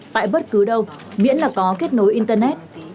tại bất cứ đâu miễn là có kết nối internet